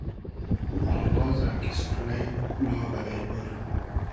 او آوازۂ کی سورنݷ ما بئلݷ بور